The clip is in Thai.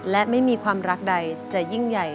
และไม่มีความรักใด